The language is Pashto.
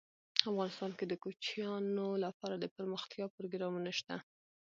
افغانستان کې د کوچیانو لپاره دپرمختیا پروګرامونه شته.